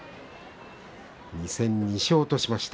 ２戦２勝としました。